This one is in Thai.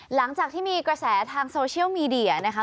หลังจากที่มีกระแสทางโซเชียลมีเดียนะคะ